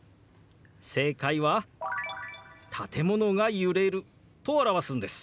正解は「建物が揺れる」と表すんです。